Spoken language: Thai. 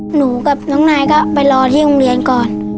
หนูกับน้องนายก็ไปรอที่โรงเรียนก่อน